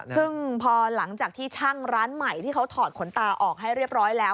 ซึ่งพอหลังจากที่ช่างร้านใหม่ที่เขาถอดขนตาออกให้เรียบร้อยแล้ว